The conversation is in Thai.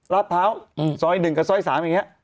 ราบเภาซอย๑กับซอย๓แบบนี้